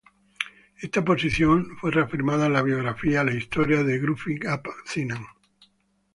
Esta posición fue reafirmada en la biografía "La Historia de Gruffydd ap Cynan.